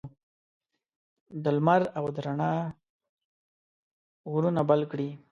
د لمر او د روڼا اورونه بل کړي